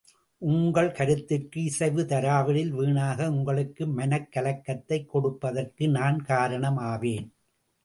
உங்கள் கருத்திற்கு இசைவு தராவிடில், வீணாக உங்களுக்கு மனக் கலக்கத்தைக் கொடுப்பதற்கு நான் காரணம் ஆவேன்.